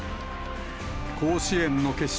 甲子園の決勝。